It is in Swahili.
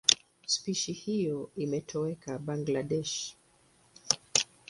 Spishi hiyo imetoweka Bangladesh.